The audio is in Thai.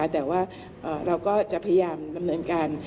แต่ว่าเราก็จะพยายามดำเนินการ